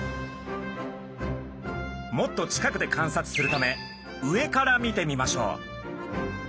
もっと近くで観察するため上から見てみましょう。